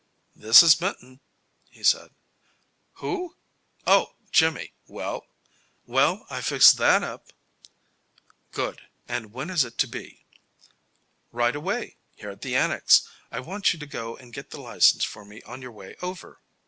"This is Minton," he said. "Who? Oh! Jimmy? Well?" "Well, I've fixed that up." "Good. And when is it to be?" "Right away. Here at the Annex. I want you to go and get the license for me on your way over."